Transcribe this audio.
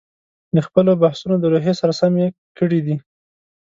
د خپلو بحثونو د روحیې سره سم یې کړي دي.